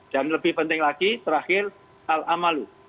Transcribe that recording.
dan lebih penting lagi terakhir al amalut